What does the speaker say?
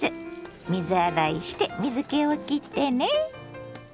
水洗いして水けをきってね。